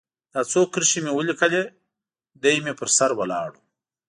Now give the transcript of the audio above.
دا څو کرښې مې ولیکلې، دی مې پر سر ولاړ و.